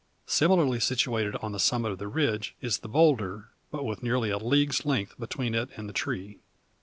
Similarly situated on the summit of the ridge, is the boulder, but with nearly a league's length between it and the tree.